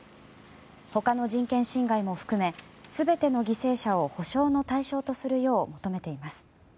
他の人権侵害も含め全ての犠牲者を補償の対象とするよう求めています。